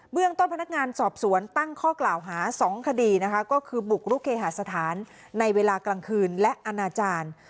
เรื่องต้นพนักงานสอบสวนตั้งข้อกล่าวหา๒คดีนะคะก็คือบุกรุกเคหาสถานในเวลากลางคืนและอนาจารย์